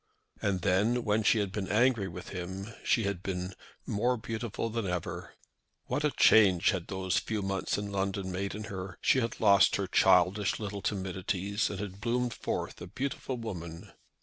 And then, when she had been angry with him, she had been more beautiful than ever. What a change had those few months in London made in her! She had lost her childish little timidities, and had bloomed forth a beautiful woman.